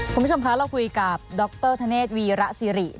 คุณผู้ชมคะเราคุยกับดรธเนธวีระสิริ